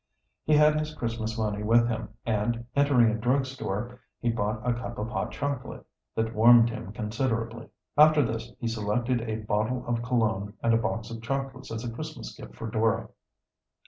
He had his Christmas money with him, and entering a drug store he bought a cup of hot chocolate, that warmed him considerably. After this he selected a bottle of cologne and a box of chocolates as a Christmas gift for Dora.